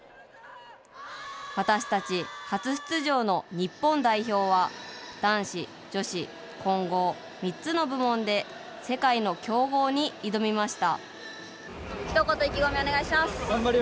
私たち初出場の日本代表は男子、女子、混合の３つの部門で世界の強豪に挑みました。